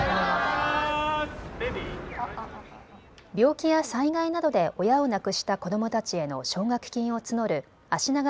病気や災害などで親を亡くした子どもたちへの奨学金を募るあしなが